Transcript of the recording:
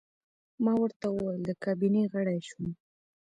ما ورته وویل: د کابینې غړی شوم.